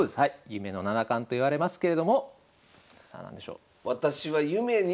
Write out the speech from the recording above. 「夢の七冠」と言われますけれどもさあ何でしょう？